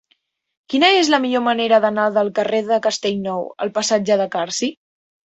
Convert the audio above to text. Quina és la millor manera d'anar del carrer de Castellnou al passatge de Carsi?